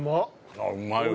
ああうまいわ。